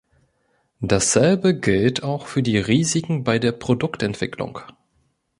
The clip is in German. Dasselbe gilt auch für die Risiken bei der Produktentwicklung.